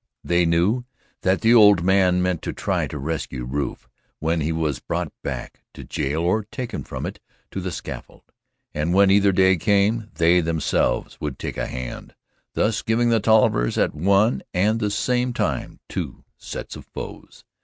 They knew that the old man meant to try to rescue Rufe when he was brought back to jail or taken from it to the scaffold, and when either day came they themselves would take a hand, thus giving the Tollivers at one and the same time two sets of foes.